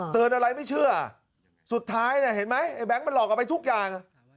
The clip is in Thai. อะไรไม่เชื่อสุดท้ายเนี่ยเห็นไหมไอ้แบงค์มันหลอกเอาไปทุกอย่าง